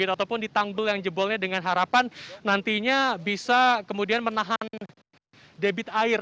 ataupun di tanggul yang jebolnya dengan harapan nantinya bisa kemudian menahan debit air